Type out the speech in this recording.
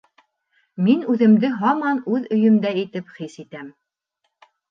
Мин үҙемде һаман үҙ өйөмдә итеп хис итәм.